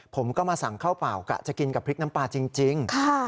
ผมก็มาสั่งข้าวเปล่ากะจะกินกับพริกน้ำปลาจริง